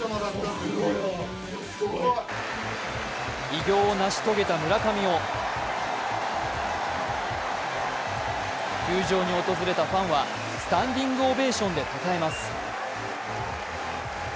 偉業を成し遂げた村上を球場に訪れたファンはスタンディングオベーションでたたえます。